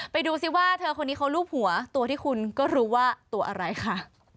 ไปดูซิว่าเธอคนนี้เขารูปหัวตัวที่คุณก็รู้ว่าตัวอะไรค่ะ